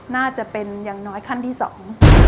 น่าจะเป็นอย่างน้อยขั้นที่สอง